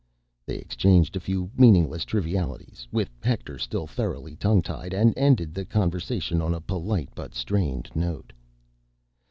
They exchanged a few meaningless trivialities—with Hector still thoroughly tongue tied and ended the conversation on a polite but strained note.